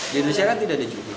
di indonesia kan tidak ada juga